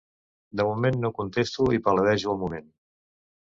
De moment no contesto i paladejo el moment.